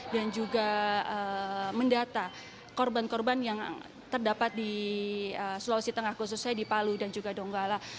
dan juga mendata korban korban yang terdapat di sulawesi tengah khususnya di palu dan juga donggala